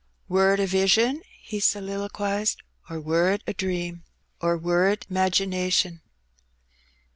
X " Wur it a vision," he soliloquized, " or wur it a dream, or wur it 'magination?